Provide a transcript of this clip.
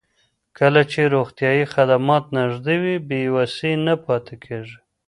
کله چې روغتیايي خدمات نږدې وي، بې وسۍ نه پاتې کېږي.